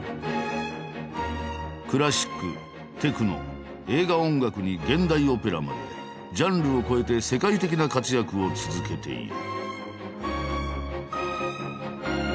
クラシックテクノ映画音楽に現代オペラまでジャンルを超えて世界的な活躍を続けている。